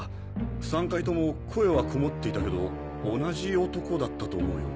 ３回とも声はこもっていたけど同じ男だったと思うよ。